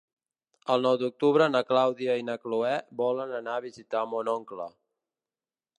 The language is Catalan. El nou d'octubre na Clàudia i na Cloè volen anar a visitar mon oncle.